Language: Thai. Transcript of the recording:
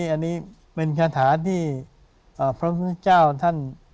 อันนี้เป็นคาถาที่พระพุทธเจ้าท่าน